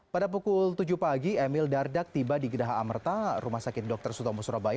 pada pukul tujuh pagi emil dardak tiba di geraha amerta rumah sakit dr sutomo surabaya